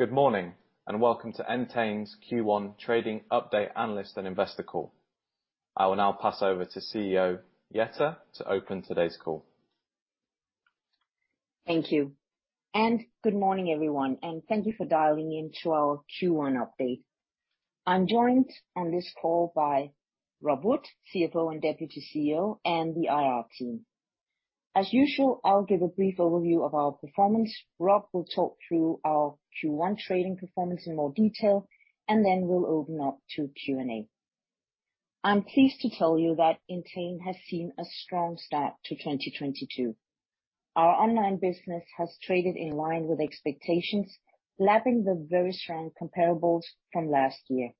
Good morning, and Welcome to Entain's Q1 Trading Update Analyst and Investor Call. I will now pass over to CEO Jette to open today's call. Thank you. Good morning, everyone, and thank you for dialing in to our Q1 update. I'm joined on this call by Rob Wood, CFO and Deputy CEO, and the IR team. As usual, I'll give a brief overview of our performance. Rob will talk through our Q1 trading performance in more detail, and then we'll open up to Q&A. I'm pleased to tell you that Entain has seen a strong start to 2022. Our online business has traded in line with expectations, lapping the very strong comparables from last year.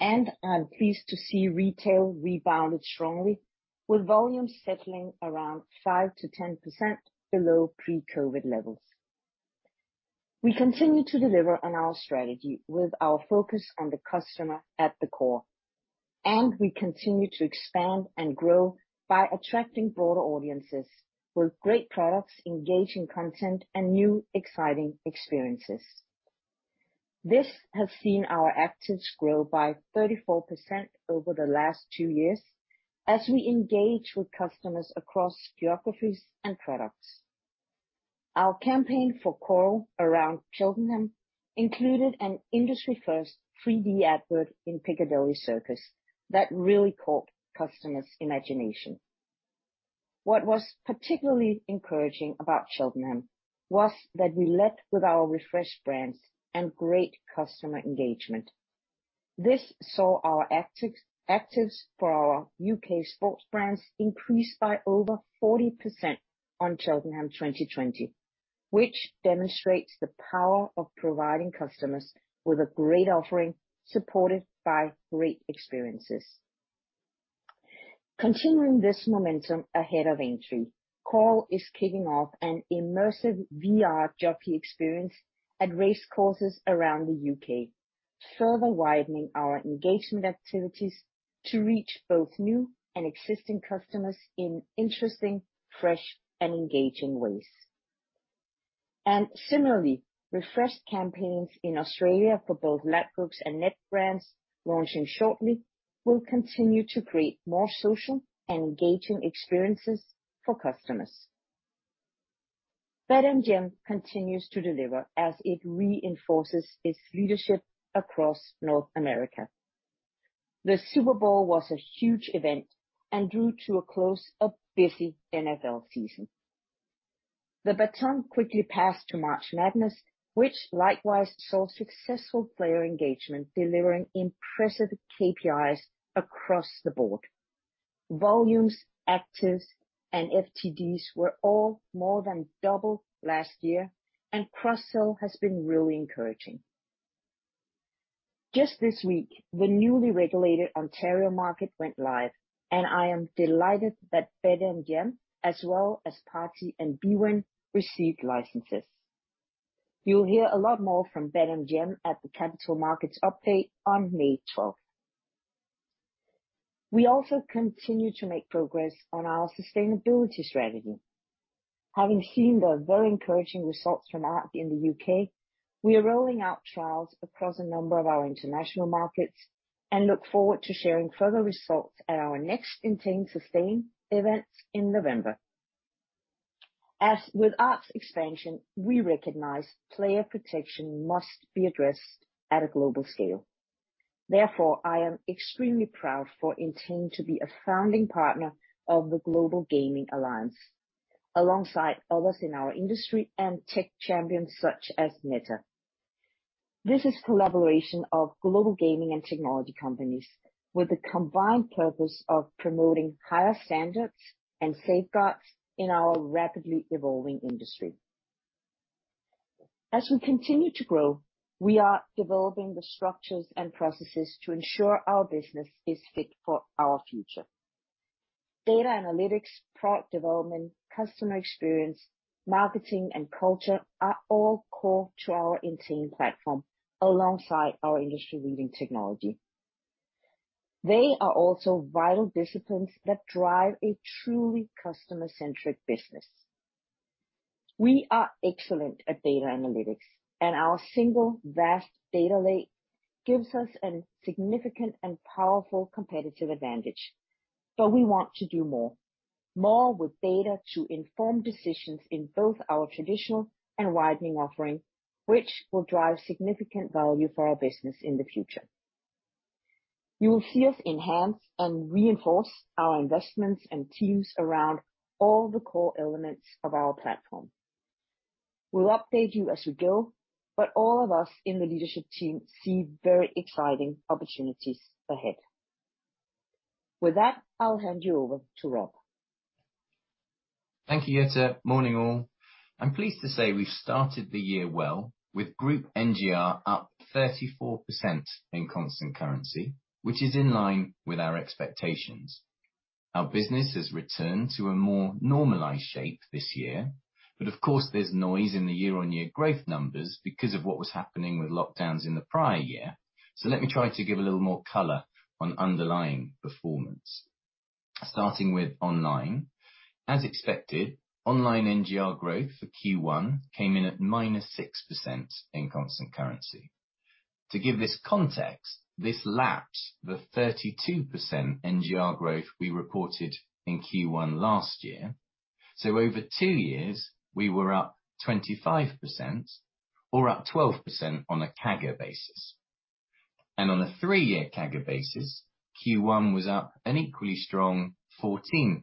I'm pleased to see retail rebounded strongly with volumes settling around 5%-10% below pre-COVID levels. We continue to deliver on our strategy with our focus on the customer at the core. We continue to expand and grow by attracting broader audiences with great products, engaging content, and new, exciting experiences. This has seen our actives grow by 34% over the last 2 years as we engage with customers across geographies and products. Our campaign for Coral around Cheltenham included an industry-first 3D advert in Piccadilly Circus that really caught customers' imagination. What was particularly encouraging about Cheltenham was that we led with our refreshed brands and great customer engagement. This saw our actives for our U.K. sports brands increased by over 40% on Cheltenham 2020, which demonstrates the power of providing customers with a great offering, supported by great experiences. Continuing this momentum ahead of entry, Coral is kicking off an immersive VR jockey experience at racecourses around the U.K., further widening our engagement activities to reach both new and existing customers in interesting, fresh, and engaging ways. Similarly, refreshed campaigns in Australia for both Ladbrokes and Neds brands launching shortly will continue to create more social and engaging experiences for customers. BetMGM continues to deliver as it reinforces its leadership across North America. The Super Bowl was a huge event and drew to a close a busy NFL season. The baton quickly passed to March Madness, which likewise saw successful player engagement, delivering impressive KPIs across the board. Volumes, actives, and FTDs were all more than double last year, and cross-sell has been really encouraging. Just this week, the newly regulated Ontario market went live, and I am delighted that BetMGM, as well as partypoker and bwin, received licenses. You'll hear a lot more from BetMGM at the Capital Markets update on May 12. We also continue to make progress on our sustainability strategy. Having seen the very encouraging results from ARC in the U.K., we are rolling out trials across a number of our international markets and look forward to sharing further results at our next Entain Sustain event in November. As with ARC's expansion, we recognize player protection must be addressed at a global scale. Therefore, I am extremely proud of Entain to be a founding partner of the Global Gaming Alliance, alongside others in our industry and tech champions such as Meta. This is a collaboration of global gaming and technology companies with the combined purpose of promoting higher standards and safeguards in our rapidly evolving industry. As we continue to grow, we are developing the structures and processes to ensure our business is fit for our future. Data analytics, product development, customer experience, marketing, and culture are all core to our Entain platform alongside our industry-leading technology. They are also vital disciplines that drive a truly customer-centric business. We are excellent at data analytics, and our single vast data lake gives us a significant and powerful competitive advantage. We want to do more, more with data to inform decisions in both our traditional and widening offering, which will drive significant value for our business in the future. You will see us enhance and reinforce our investments and teams around all the core elements of our platform. We'll update you as we go, but all of us in the leadership team see very exciting opportunities ahead. With that, I'll hand you over to Rob. Thank you, Jette. Morning all. I'm pleased to say we've started the year well, with group NGR up 34% in constant currency, which is in line with our expectations. Our business has returned to a more normalized shape this year, but of course, there's noise in the year-on-year growth numbers because of what was happening with lockdowns in the prior year. So let me try to give a little more color on underlying performance. Starting with online. As expected, online NGR growth for Q1 came in at -6% in constant currency. To give this context, this lapsed the 32% NGR growth we reported in Q1 last year. So over two years, we were up 25% or up 12% on a CAGR basis. On the three-year CAGR basis, Q1 was up an equally strong 14%.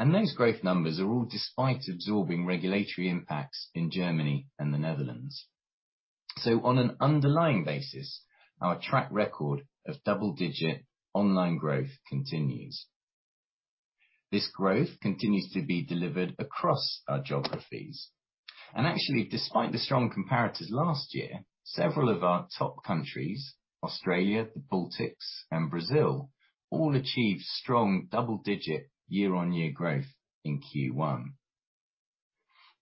Those growth numbers are all despite absorbing regulatory impacts in Germany and the Netherlands. On an underlying basis, our track record of double-digit online growth continues. This growth continues to be delivered across our geographies. Actually, despite the strong comparators last year, several of our top countries, Australia, the Baltics, and Brazil, all achieved strong double-digit year-on-year growth in Q1.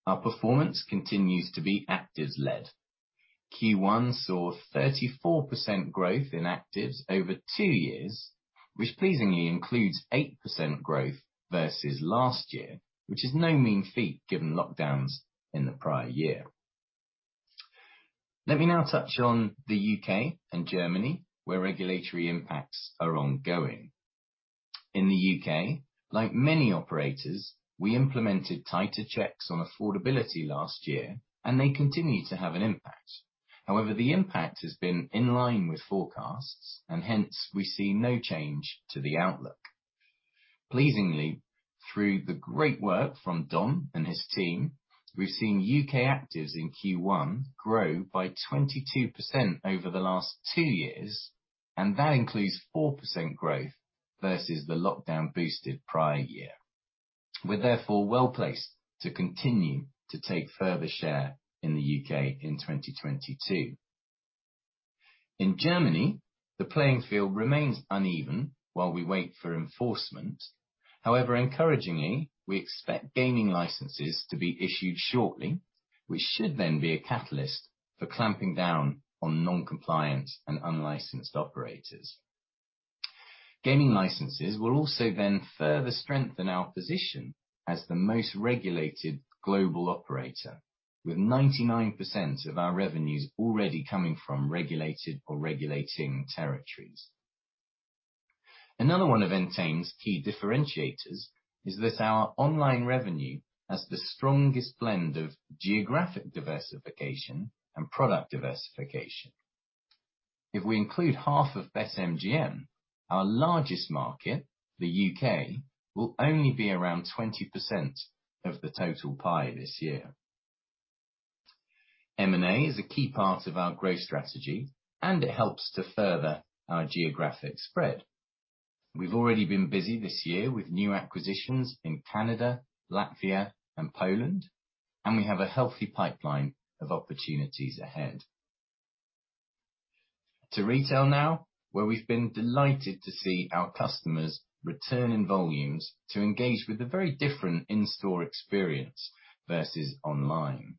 Our performance continues to be actives led. Q1 saw 34% growth in actives over two years, which pleasingly includes 8% growth versus last year, which is no mean feat given lockdowns in the prior year. Let me now touch on the UK and Germany, where regulatory impacts are ongoing. In the UK, like many operators, we implemented tighter checks on affordability last year, and they continue to have an impact. However, the impact has been in line with forecasts and hence we see no change to the outlook. Pleasingly, through the great work from Don and his team, we've seen U.K. actives in Q1 grow by 22% over the last two years, and that includes 4% growth versus the lockdown-boosted prior year. We're therefore well-placed to continue to take further share in the U.K. in 2022. In Germany, the playing field remains uneven while we wait for enforcement. However, encouragingly, we expect gaming licenses to be issued shortly, which should then be a catalyst for clamping down on non-compliant and unlicensed operators. Gaming licenses will also then further strengthen our position as the most regulated global operator with 99% of our revenues already coming from regulated or regulating territories. Another one of Entain's key differentiators is that our online revenue has the strongest blend of geographic diversification and product diversification. If we include half of BetMGM, our largest market, the U.K., will only be around 20% of the total pie this year. M&A is a key part of our growth strategy, and it helps to further our geographic spread. We've already been busy this year with new acquisitions in Canada, Latvia, and Poland, and we have a healthy pipeline of opportunities ahead. Turning to retail now, where we've been delighted to see our customers return in volumes to engage with the very different in-store experience versus online.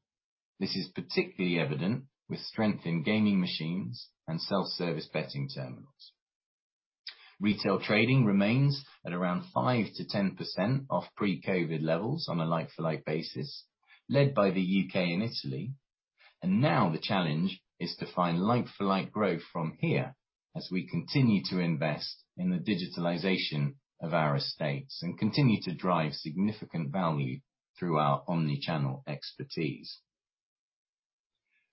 This is particularly evident with strength in gaming machines and self-service betting terminals. Retail trading remains at around 5%-10% of pre-COVID levels on a like-for-like basis, led by the U.K. and Italy. Now the challenge is to find like-for-like growth from here as we continue to invest in the digitalization of our estates and continue to drive significant value through our omni-channel expertise.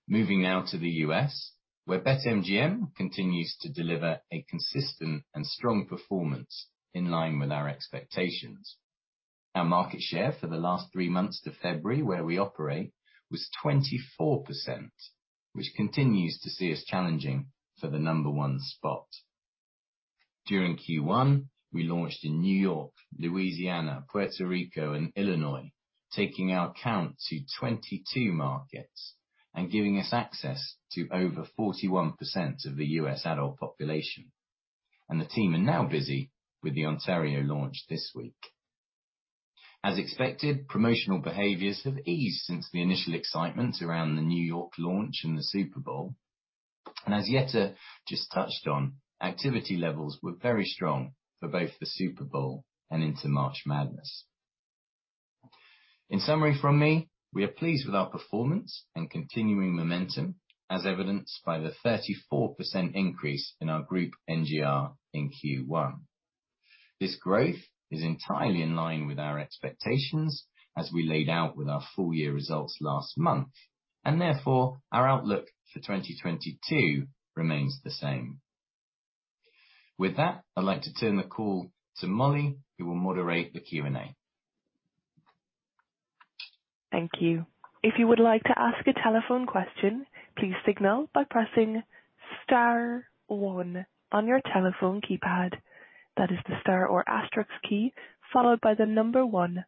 Moving now to the U.S., where BetMGM continues to deliver a consistent and strong performance in line with our expectations. Our market share for the last three months to February, where we operate, was 24%, which continues to see us challenging for the number one spot. During Q1, we launched in New York, Louisiana, Puerto Rico, and Illinois, taking our count to 22 markets and giving us access to over 41% of the U.S. adult population. The team are now busy with the Ontario launch this week. As expected, promotional behaviors have eased since the initial excitement around the New York launch and the Super Bowl. As Jette just touched on, activity levels were very strong for both the Super Bowl and into March Madness. In summary from me, we are pleased with our performance and continuing momentum as evidenced by the 34% increase in our group NGR in Q1. This growth is entirely in line with our expectations as we laid out with our full year results last month, and therefore, our outlook for 2022 remains the same. With that, I'd like to turn the call to Molly, who will moderate the Q&A. Thank you. If you would like to ask a telephone question, please signal by pressing star one on your telephone keypad. That is the star or asterisk key, followed by the number one.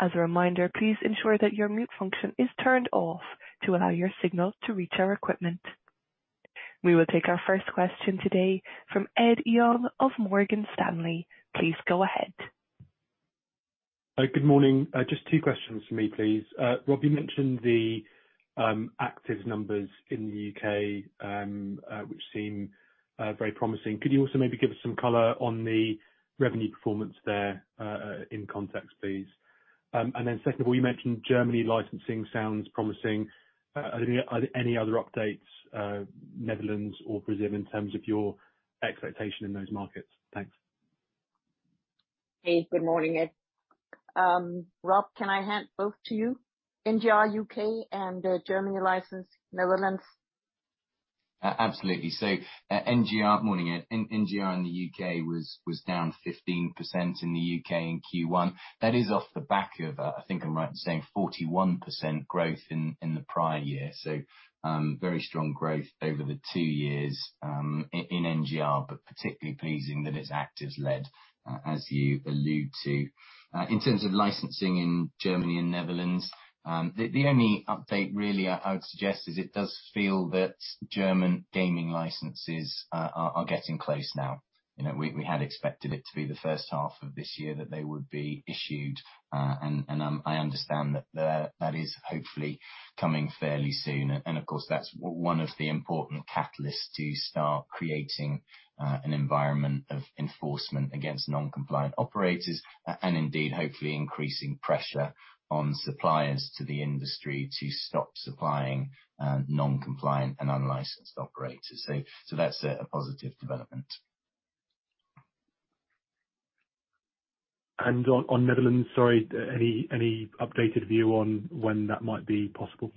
As a reminder, please ensure that your mute function is turned off to allow your signal to reach our equipment. We will take our first question today from Ed Young of Morgan Stanley. Please go ahead. Good morning. Just two questions for me, please. Rob, you mentioned the active numbers in the U.K., which seem very promising. Could you also maybe give us some color on the revenue performance there in context, please? And then secondly, you mentioned Germany licensing sounds promising. Are there any other updates, Netherlands or Brazil in terms of your expectation in those markets? Thanks. Hey, good morning, Ed. Rob, can I hand both to you? NGR, U.K., and Germany license, Netherlands. Absolutely. Morning, Ed. NGR in the U.K. was down 15% in the U.K. in Q1. That is off the back of, I think I'm right in saying 41% growth in the prior year. Very strong growth over the two years in NGR, but particularly pleasing that it's actives led, as you allude to. In terms of licensing in Germany and Netherlands, the only update really I would suggest is it does feel that German gaming licenses are getting close now. We had expected it to be the H1 of this year that they would be issued, and I understand that is hopefully coming fairly soon. Of course, that's one of the important catalysts to start creating an environment of enforcement against non-compliant operators, and indeed, hopefully increasing pressure on suppliers to the industry to stop supplying non-compliant and unlicensed operators. That's a positive development. On Netherlands, sorry, any updated view on when that might be possible?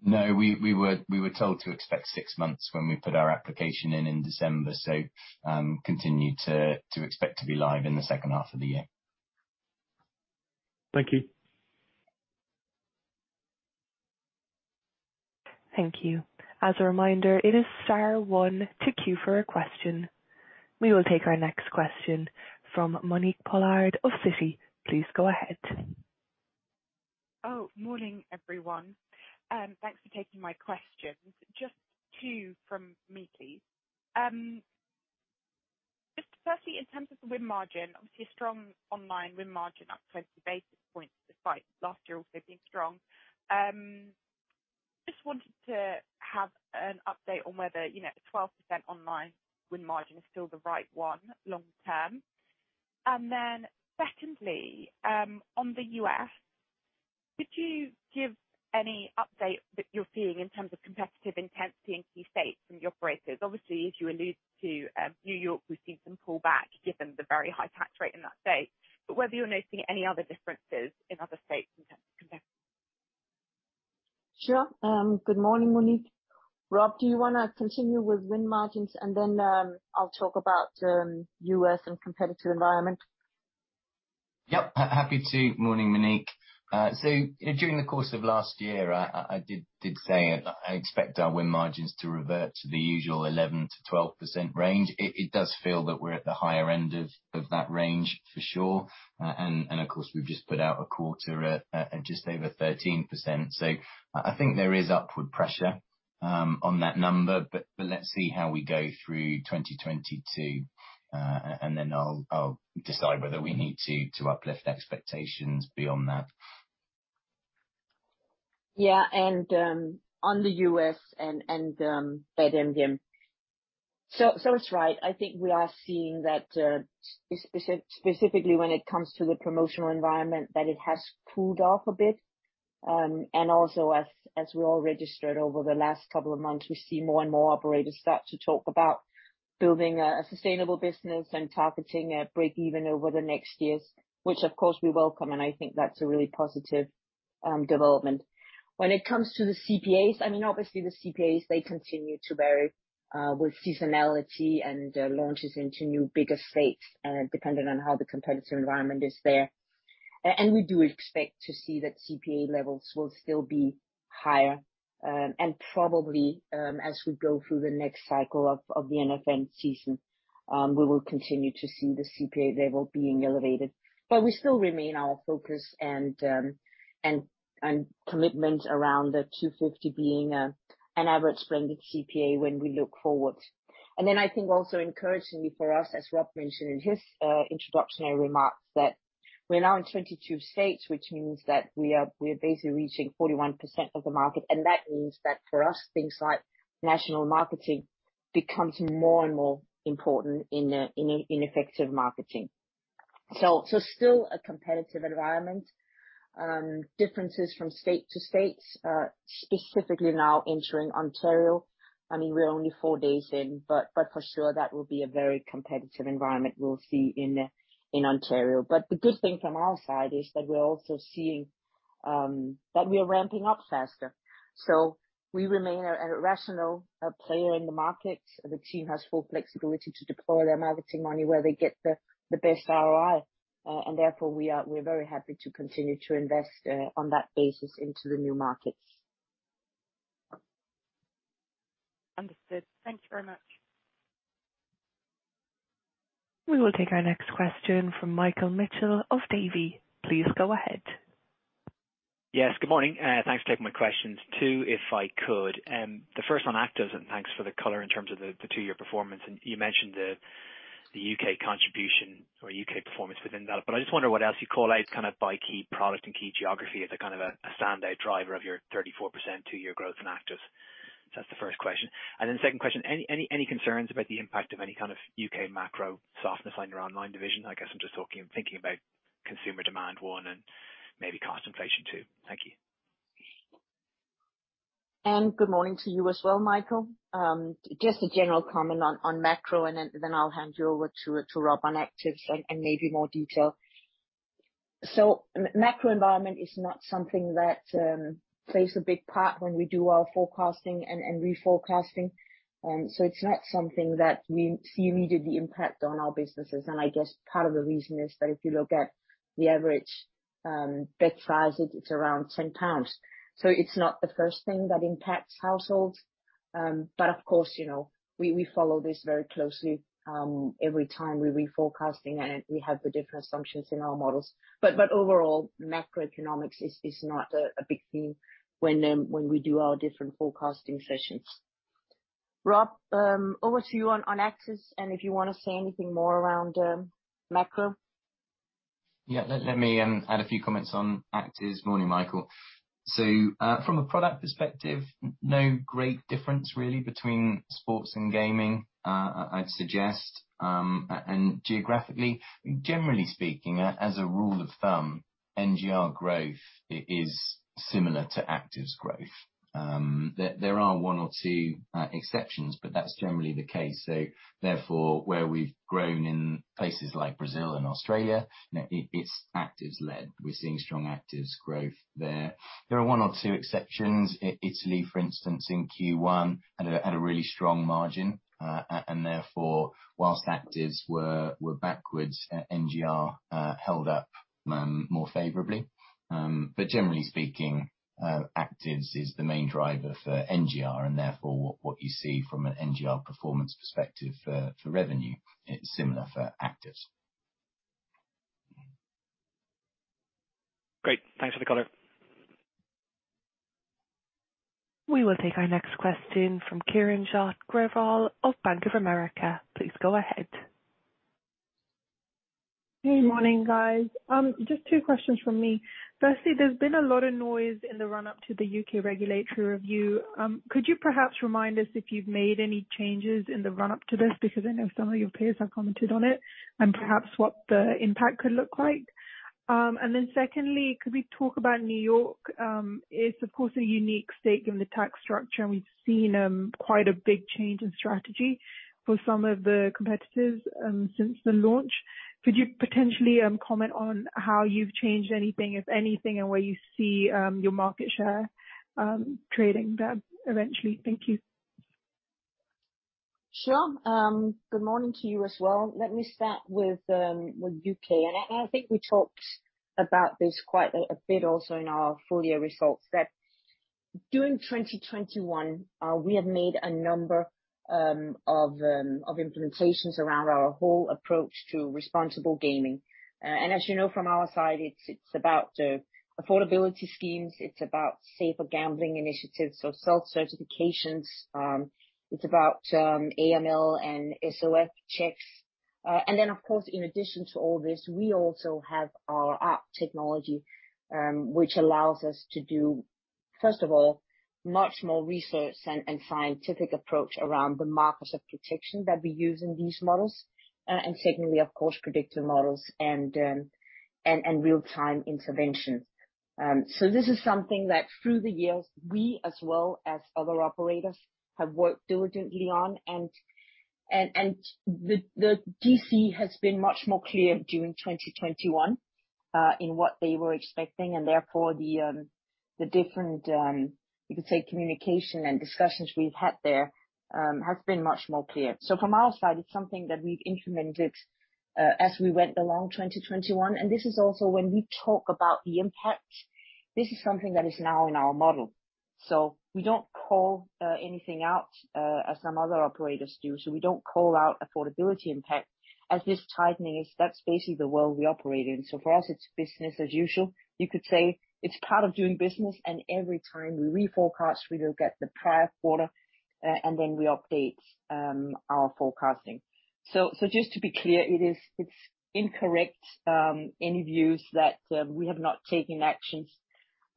No. We were told to expect six months when we put our application in December. Continue to expect to be live in the H2 of the year. Thank you. Thank you. As a reminder, it is star one to queue for a question. We will take our next question from Monique Pollard of Citi. Please go ahead. Oh, morning, everyone. Thanks for taking my questions. Just two from me, please. Just firstly, in terms of the win margin, obviously a strong online win margin, up 20 basis points, despite last year also being strong. Just wanted to have an update on whether, you know, 12% online win margin is still the right one long term. Then secondly, on the U.S., could you give any update that you're seeing in terms of competitive intensity in key states from your operators? Obviously, as you allude to, New York, we've seen some pullback given the very high tax rate in that state. Whether you're noticing any other differences in other states in terms of competitive? Sure. Good morning, Monique. Rob, do you wanna continue with win margins, and then I'll talk about U.S. and competitive environment? Yep. Happy to. Morning, Monique. You know, during the course of last year, I did say I expect our win margins to revert to the usual 11%-12% range. It does feel that we're at the higher end of that range, for sure, and of course, we've just put out a quarter at just over 13%. I think there is upward pressure on that number, but let's see how we go through 2022. I'll decide whether we need to uplift expectations beyond that. Yeah. On the U.S. and BetMGM. It's right. I think we are seeing that, specifically when it comes to the promotional environment, that it has cooled off a bit. And also, as we all recognized over the last couple of months, we see more and more operators start to talk about building a sustainable business and targeting a break even over the next years, which of course we welcome, and I think that's a really positive development. When it comes to the CPAs, I mean, obviously the CPAs, they continue to vary with seasonality and launches into new, bigger states, dependent on how the competitive environment is there. And we do expect to see that CPA levels will still be higher. Probably, as we go through the next cycle of the NFL season, we will continue to see the CPA level being elevated. We still remain our focus and commitment around the $250 being an average blended CPA when we look forward. Then I think also encouragingly for us, as Rob mentioned in his introductory remarks, that we're now in 22 states, which means that we are basically reaching 41% of the market, and that means that for us, things like national marketing becomes more and more important in effective marketing. Still a competitive environment. Differences from state to state, specifically now entering Ontario. I mean, we're only four days in, but for sure that will be a very competitive environment we'll see in Ontario. The good thing from our side is that we're also seeing that we are ramping up faster. We remain at a rational player in the market. The team has full flexibility to deploy their marketing money where they get the best ROI. Therefore, we're very happy to continue to invest on that basis into the new markets. Understood. Thank you very much. We will take our next question from Michael Mitchell of Davy. Please go ahead. Yes. Good morning. Thanks for taking my questions. Two, if I could. The first on actives, and thanks for the color in terms of the two-year performance. You mentioned the U.K. contribution or U.K. performance within that, but I just wonder what else you call out kind of by key product and key geography as a kind of a standout driver of your 34% two-year growth in actives. That's the first question. Then the second question, any concerns about the impact of any kind of U.K. macro softness on your online division? I guess I'm just talking and thinking about consumer demand one and maybe cost inflation, two. Thank you. Good morning to you as well, Michael. Just a general comment on macro and then I'll hand you over to Rob on actives and maybe more detail. Macro environment is not something that plays a big part when we do our forecasting and reforecasting. It's not something that we see immediately impact on our businesses. I guess part of the reason is that if you look at the average bet size, it's around 10 pounds. It's not the first thing that impacts households. Of course, you know, we follow this very closely every time we're reforecasting and we have the different assumptions in our models. Overall, macroeconomics is not a big theme when we do our different forecasting sessions. Rob, over to you on actives and if you wanna say anything more around macro. Yeah. Let me add a few comments on actives. Morning, Michael. From a product perspective, no great difference really between sports and gaming, I'd suggest. Geographically, generally speaking, as a rule of thumb, NGR growth is similar to actives growth. There are one or two exceptions, but that's generally the case. Therefore, where we've grown in places like Brazil and Australia, it's actives-led. We're seeing strong actives growth there. There are one or two exceptions. Italy, for instance, in Q1 had a really strong margin. And therefore, whilst actives were backwards, NGR held up more favorably. Generally speaking, actives is the main driver for NGR and therefore what you see from an NGR performance perspective for revenue, it's similar for actives. Great. Thanks for the color. We will take our next question from Kiranjot Grewal of Bank of America. Please go ahead. Good morning, guys. Just two questions from me. Firstly, there's been a lot of noise in the run-up to the U.K. regulatory review. Could you perhaps remind us if you've made any changes in the run-up to this? Because I know some of your peers have commented on it, and perhaps what the impact could look like. And then secondly, could we talk about New York? It's of course a unique state given the tax structure, and we've seen quite a big change in strategy for some of the competitors since the launch. Could you potentially comment on how you've changed anything, if anything, and where you see your market share trading there eventually? Thank you. Sure. Good morning to you as well. Let me start with the U.K. I think we talked about this quite a bit also in our full year results that during 2021, we have made a number of implementations around our whole approach to responsible gaming. As you know from our side, it's about affordability schemes, it's about safer gambling initiatives or self-certifications. It's about AML and SOF checks. Then of course, in addition to all this, we also have our app technology, which allows us to do, first of all, much more research and scientific approach around the markers of protection that we use in these models. Secondly, of course, predictive models and real-time interventions. This is something that through the years, we as well as other operators have worked diligently on. The UKGC has been much more clear during 2021 in what they were expecting and therefore the different, you could say communication and discussions we've had there, has been much more clear. From our side, it's something that we've implemented as we went along 2021, and this is also when we talk about the impact, this is something that is now in our model. We don't call anything out as some other operators do. We don't call out affordability impact as this tightening is that's basically the world we operate in. For us, it's business as usual. You could say it's part of doing business, and every time we reforecast, we look at the prior quarter, and then we update our forecasting. Just to be clear, it's incorrect any views that we have not taken actions,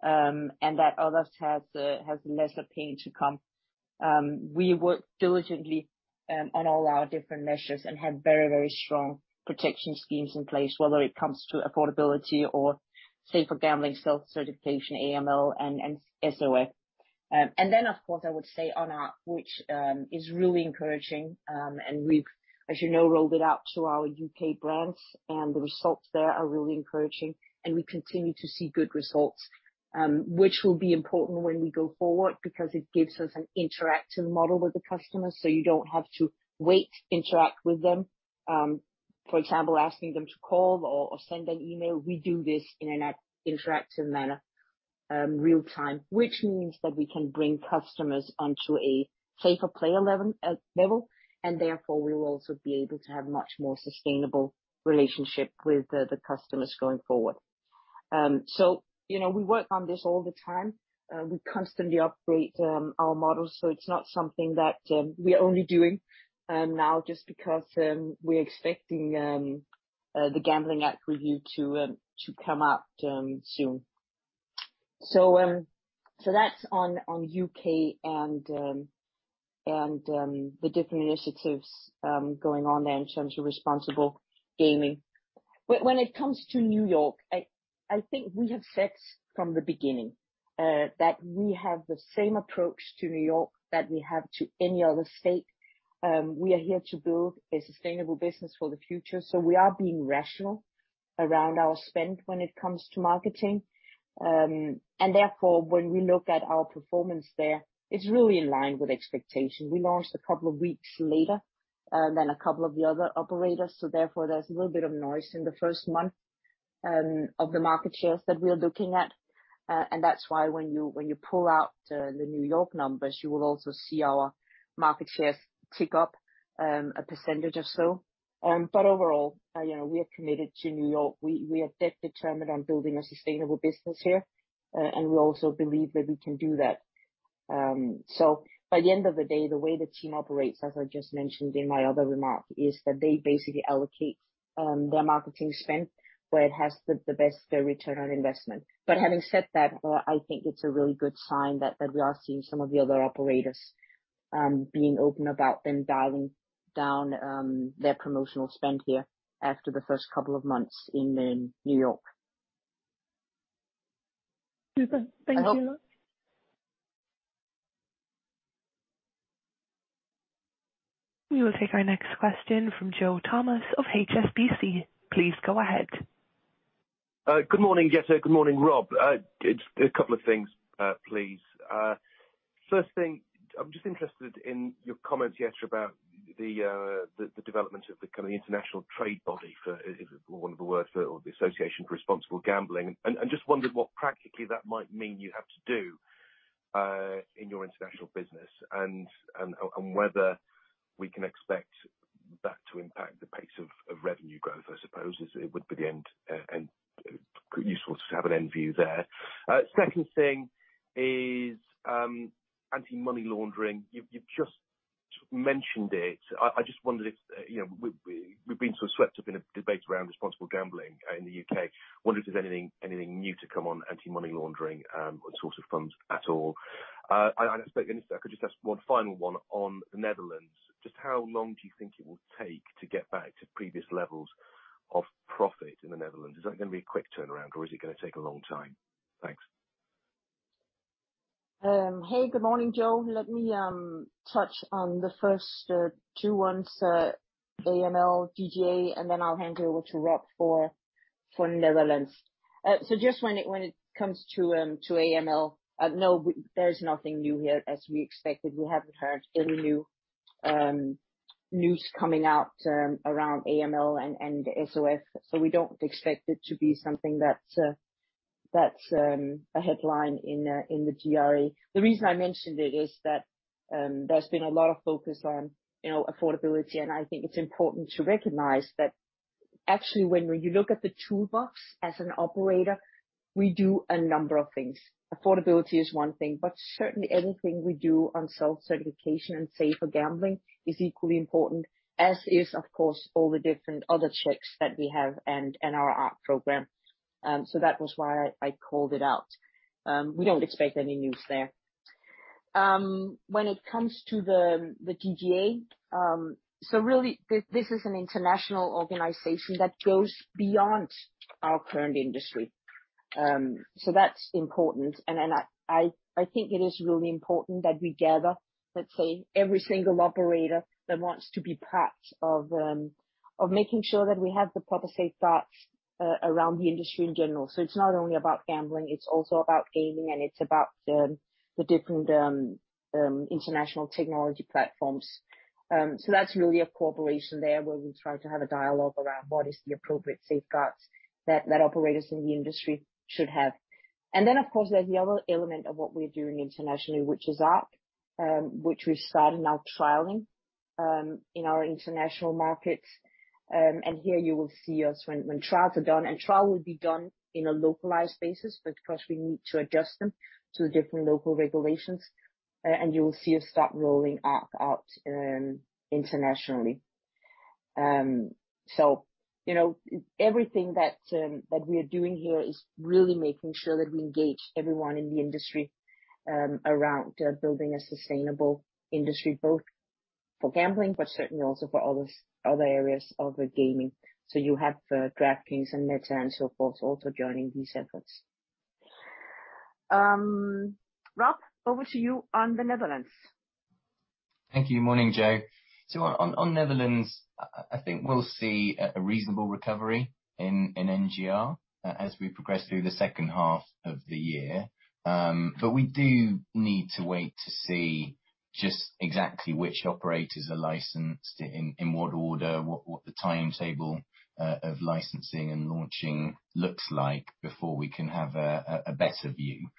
and that others has lesser pain to come. We work diligently on all our different measures and have very, very strong protection schemes in place, whether it comes to affordability or safer gambling, self-certification, AML and SOF. Of course, I would say which is really encouraging, and we've, as you know, rolled it out to our UK brands and the results there are really encouraging and we continue to see good results, which will be important when we go forward because it gives us an interactive model with the customers so you don't have to wait, interact with them. For example, asking them to call or send an email. We do this in an interactive manner, real time, which means that we can bring customers onto a safer player level, and therefore we will also be able to have much more sustainable relationship with the customers going forward. You know, we work on this all the time. We constantly upgrade our models, so it's not something that we are only doing now just because we're expecting the Gambling Act Review to come out soon. That's on U.K. and the different initiatives going on there in terms of responsible gaming. When it comes to New York, I think we have said from the beginning that we have the same approach to New York that we have to any other state. We are here to build a sustainable business for the future, so we are being rational around our spend when it comes to marketing. Therefore, when we look at our performance there, it's really in line with expectations. We launched a couple of weeks later than a couple of the other operators, so therefore there's a little bit of noise in the first month of the market shares that we are looking at. That's why when you pull out the New York numbers, you will also see our market shares tick up a percentage or so. Overall, you know, we are committed to New York. We are dead determined on building a sustainable business here. We also believe that we can do that. By the end of the day, the way the team operates, as I just mentioned in my other remark, is that they basically allocate their marketing spend where it has the best return on investment. Having said that, I think it's a really good sign that we are seeing some of the other operators being open about them dialing down their promotional spend here after the first couple of months in New York. Super. Thank you. I hope. We will take our next question from Joe Thomas of HSBC. Please go ahead. Good morning, Jette. Good morning, Rob. Just a couple of things, please. First thing, I'm just interested in your comments, Jette, about the development of the kind of international trade body or the association for responsible gambling. Just wondered what practically that might mean you have to do in your international business and whether we can expect that to impact the pace of revenue growth, I suppose. It would be useful to have an end view there. Second thing is anti-money laundering. You've just mentioned it. I just wondered if, you know, we've been sort of swept up in a debate around responsible gambling in the U.K. Wondered if there's anything new to come on anti-money laundering, or source of funds at all? I could just ask one final one on the Netherlands. Just how long do you think it will take to get back to previous levels of profit in the Netherlands? Is that gonna be a quick turnaround, or is it gonna take a long time? Thanks. Hey, good morning, Joe. Let me touch on the first two points, AML and the GRA, and then I'll hand you over to Rob for Netherlands. Just when it comes to AML, no, there's nothing new here as we expected. We haven't heard any new news coming out around AML and SOF. We don't expect it to be something that's a headline in the GRA. The reason I mentioned it is that there's been a lot of focus on, you know, affordability, and I think it's important to recognize that actually, when you look at the toolbox as an operator, we do a number of things. Affordability is one thing, but certainly anything we do on self-certification and safer gambling is equally important, as is, of course, all the different other checks that we have and our ARC program. That was why I called it out. We don't expect any news there. When it comes to the TGA, really this is an international organization that goes beyond our current industry. That's important. I think it is really important that we gather, let's say, every single operator that wants to be part of making sure that we have the proper safeguards around the industry in general. It's not only about gambling, it's also about gaming, and it's about the different international technology platforms. That's really a cooperation there, where we try to have a dialogue around what is the appropriate safeguards that operators in the industry should have. Of course, there's the other element of what we're doing internationally, which is ARC, which we've started now trialing in our international markets. Here you will see us when trials are done, and trial will be done in a localized basis because we need to adjust them to the different local regulations. You will see us start rolling ARC out internationally. You know, everything that we are doing here is really making sure that we engage everyone in the industry around building a sustainable industry, both for gambling, but certainly also for other areas of the gaming. You have DraftKings and Meta and so forth also joining these efforts. Rob, over to you on the Netherlands. Thank you. Morning, Joe. On Netherlands, I think we'll see a reasonable recovery in NGR as we progress through the H2 of the year. We do need to wait to see just exactly which operators are licensed, in what order, what the timetable of licensing and launching looks like before we can have a better view.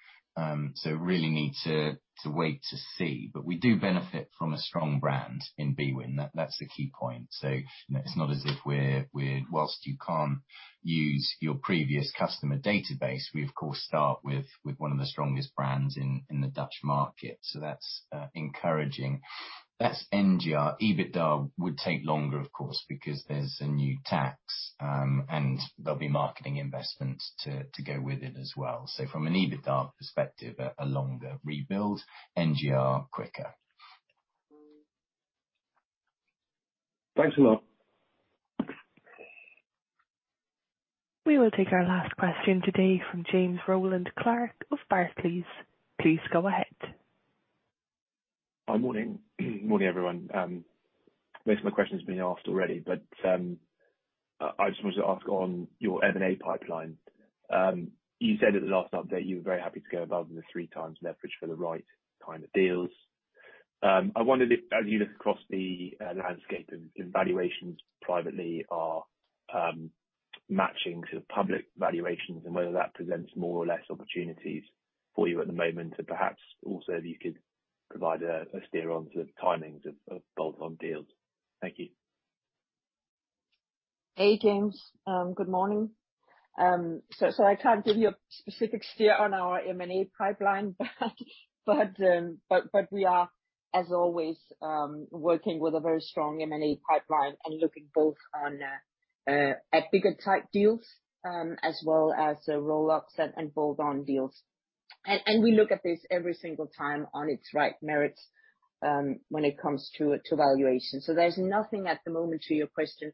Really need to wait to see. We do benefit from a strong brand in bwin. That's the key point. It's not as if we're whilst you can't use your previous customer database, we of course start with one of the strongest brands in the Dutch market. That's encouraging. That's NGR. EBITDA would take longer, of course, because there's a new tax, and there'll be marketing investments to go with it as well. From an EBITDA perspective, a longer rebuild, NGR quicker. Thanks a lot. We will take our last question today from James Rowland Clark of Barclays. Please go ahead. Hi. Morning. Morning, everyone. Most of my question's been asked already, but I just wanted to ask on your M&A pipeline. You said at the last update you were very happy to go above the three times leverage for the right kind of deals. I wondered if, as you look across the landscape if valuations privately are matching sort of public valuations, and whether that presents more or less opportunities for you at the moment. Perhaps also you could provide a steer on sort of timings of bolt-on deals. Thank you. Hey, James. Good morning. I can't give you a specific steer on our M&A pipeline, but we are, as always, working with a very strong M&A pipeline and looking both at bigger type deals as well as the roll-ups and bolt-on deals. We look at this every single time on its own merits when it comes to valuation. There's nothing at the moment to your question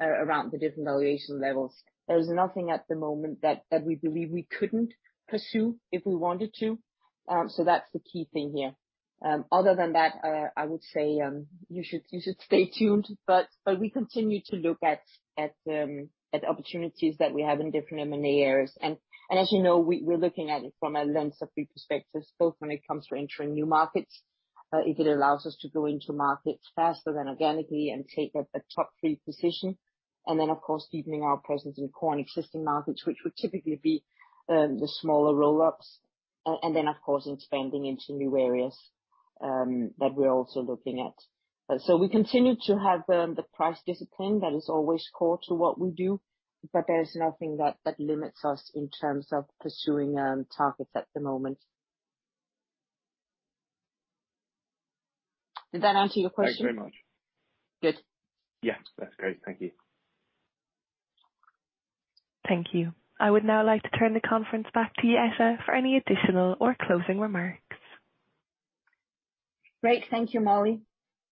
around the different valuation levels. There's nothing at the moment that we believe we couldn't pursue if we wanted to. That's the key thing here. Other than that, I would say you should stay tuned, but we continue to look at opportunities that we have in different M&A areas. As you know, we're looking at it from a lens of three perspectives, both when it comes to entering new markets if it allows us to go into markets faster than organically and take a top three position, then of course deepening our presence in core and existing markets, which would typically be the smaller roll-ups, and then of course expanding into new areas that we're also looking at. We continue to have the price discipline that is always core to what we do, but there's nothing that limits us in terms of pursuing targets at the moment. Did that answer your question? Thanks very much. Good. Yeah. That's great. Thank you. Thank you. I would now like to turn the conference back to you, Jette, for any additional or closing remarks. Great. Thank you, Molly.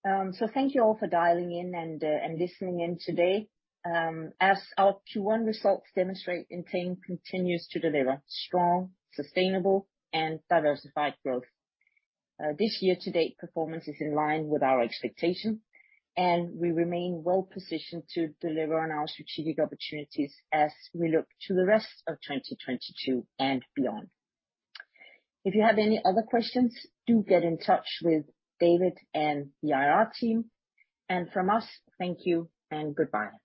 Thank you all for dialing in and listening in today. As our Q1 results demonstrate, Entain continues to deliver strong, sustainable, and diversified growth. This year to date, performance is in line with our expectation, and we remain well positioned to deliver on our strategic opportunities as we look to the rest of 2022 and beyond. If you have any other questions, do get in touch with David and the IR team. From us, thank you and goodbye.